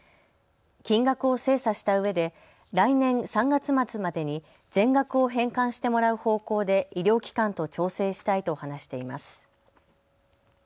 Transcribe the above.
金額を精査したうえで来年３月末までに全額を返還してもらう方向で医療機関と調整したいと話しています。